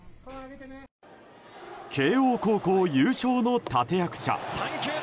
慶応高校優勝の立役者